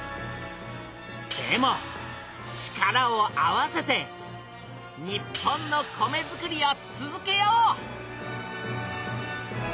でも力を合わせて日本の米づくりを続けよう！